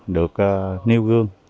được nêu gương